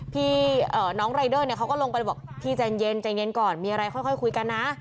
พี่น้องรายเดอร์เนี่ยเขาก็ลงไปบอกพี่ใจเย็นใจเย็นก่อนมีอะไรค่อยคุยกันนะ